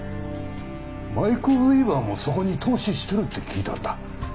マイク・ウィーバーもそこに投資してるって聞いたんだ。